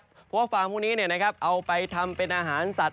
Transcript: เพราะว่าฟาร์มพวกนี้เอาไปทำเป็นอาหารสัตว